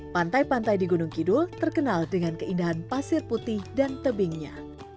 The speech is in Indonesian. pantai pantai di gunung kidul terkenal dengan keindahan pasir putih dan tebingnya